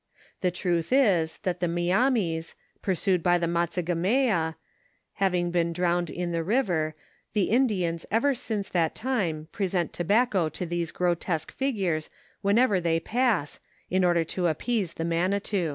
The truth is that the Miamis, pursued by the Matsigamea, having been drowned in the river, the Indians ever since that time present tobacco to these grotesque figures wheiTever they pass, in order to appease the manitou.